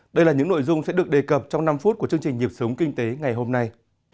đây là những nội dung sẽ được đề cập trong năm phút của chương trình nhịp sống kinh tế ngày hôm nay